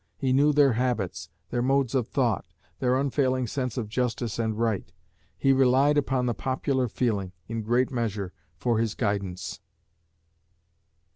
He knew their habits, their modes of thought, their unfailing sense of justice and right. He relied upon the popular feeling, in great measure, for his guidance."